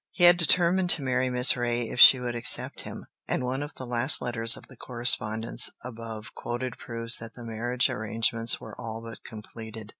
He had determined to marry Miss Reay if she would accept him, and one of the last letters of the correspondence above quoted proves that the marriage arrangements were all but completed.